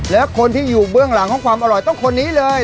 แล้วคนที่อยู่เบื้องหลังของความอร่อยต้องคนนี้เลย